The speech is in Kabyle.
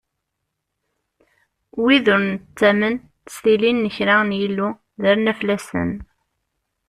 Wid ur nettamen s tilin n kra n yillu, d arnaflasen.